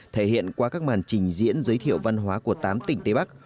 thể hiện qua các màn trình diễn giới thiệu văn hóa của tám tỉnh tây bắc